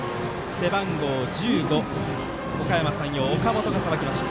背番号１５、おかやま山陽岡本がさばきました。